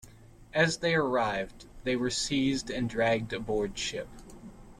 As they arrived, they were seized and dragged aboard ship.